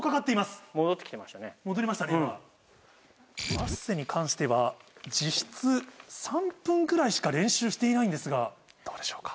マッセに関しては実質３分ぐらいしか練習していないんですがどうでしょうか？